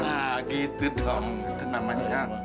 nah gitu dong tenang mas